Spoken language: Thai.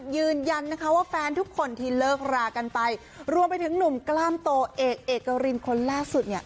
ยืนยันนะคะว่าแฟนทุกคนที่เลิกรากันไปรวมไปถึงหนุ่มกล้ามโตเอกเอกรินคนล่าสุดเนี่ย